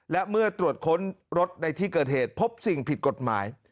และเมื่อตรวจค้นรถในที่เกิดเหตุพบสิ่งผิดกฎหมาย